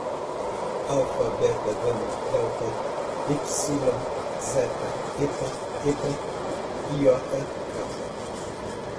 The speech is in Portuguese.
alfa, beta, gama, delta, épsilon, zeta, eta, teta, iota, capa